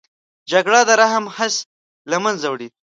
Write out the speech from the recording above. جګړه د رحم حس له منځه وړي